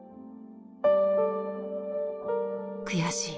「悔しい」。